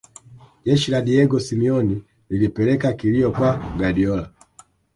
jeshi la diego semeon lilipeleka kilio kwa guardiola